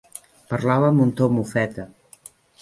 Parlava amb un to mofeta.